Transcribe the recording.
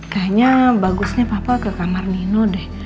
kayaknya bagusnya papa ke kamar nino deh